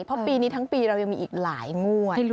เพราะปีนี้ทั้งปีเรายังมีอีกหลายงวด